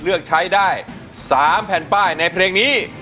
เลือกใช้ได้๓แผ่นป้ายในเพลงนี้